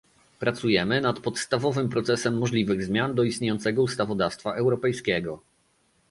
Pracujemy nad podstawowym procesem możliwych zmian do istniejącego ustawodawstwa europejskiego